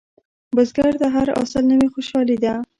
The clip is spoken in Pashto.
بزګر ته هر حاصل نوې خوشالي ده